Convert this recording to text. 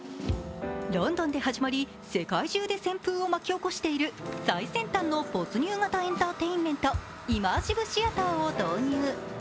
ロンドンで始まり世界中で旋風を巻き起こしている最先端の没入型エンターテインメントイマーシブシアターを導入。